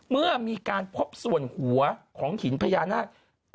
เมื่อมีการพบส่วนหัวของหินพญานาค